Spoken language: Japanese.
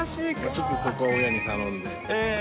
ちょっとそこは親に頼んで。